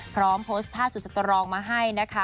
พร้อมโพสต์ท่าสุดสตรองมาให้นะคะ